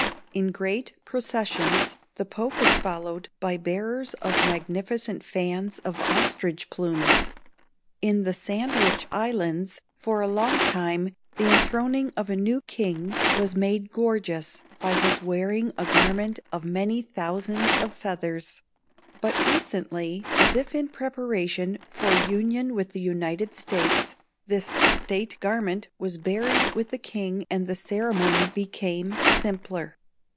In great processions the Pope is followed by bearers of magnificent fans of ostrich plumes. In the Sandwich Islands for a long time the enthroning of a new king was made gorgeous by his wearing a garment of many thousands of feathers; but recently, as if in preparation for a union with the United States, this state garment was buried with the king and the ceremony became simpler.